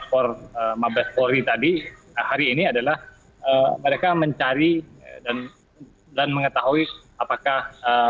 for mabes polri tadi hari ini adalah mereka mencari dan mengetahui apakah